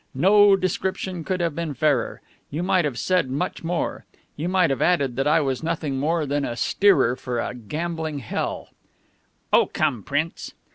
No description could have been fairer. You might have said much more. You might have added that I was nothing more than a steerer for a gambling hell." "Oh, come, Prince!"